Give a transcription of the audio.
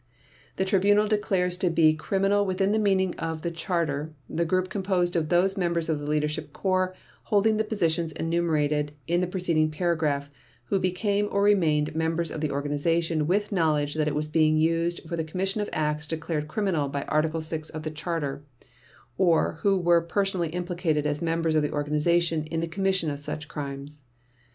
The Tribunal declares to be criminal within the meaning of the Charter the group composed of those members of the Leadership Corps holding the positions enumerated in the preceding paragraph who became or remained members of the organization with knowledge that it was being used for the commission of acts declared criminal by Article 6 of the Charter, or who were personally implicated as members of the organization in the commission of such crimes.